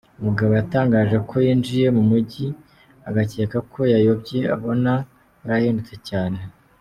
Mugabo yatangaje ko yinjiye mu mujyi agakeka ko yayobye, abona warahindutse cyane.